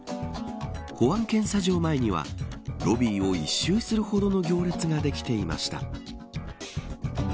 保安検査場前にはロビーを一周するほどの行列ができていました。